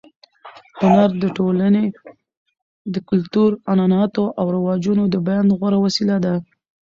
هنر د ټولنې د کلتور، عنعناتو او رواجونو د بیان غوره وسیله ده.